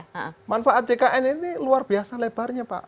dan manfaat ckn ini luar biasa lebarnya pak